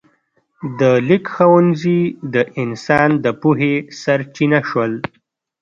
د لیک ښوونځي د انسان د پوهې سرچینه شول.